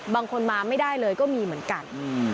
บางคนมาไม่ได้เลยก็มีเหมือนกัน